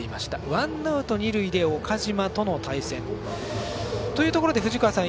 ワンアウト、二塁で岡島との対戦。というところで、藤川さん